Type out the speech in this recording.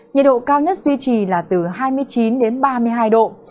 nhiệt độ cao nhất duy trì là từ hai mươi chín đến ba mươi độ c